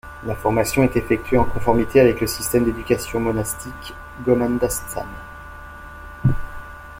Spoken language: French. La formation est effectuée en conformité avec le système d'éducation monastique Goman Datsan.